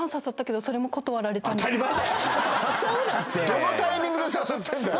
どのタイミングで誘ってんだよ